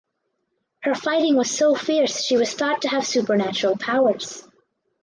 Her fighting was so fierce she was thought to have supernatural powers.